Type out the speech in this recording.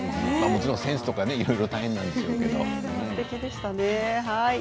もちろんセンスとかいろいろ大変なんでしょうけど。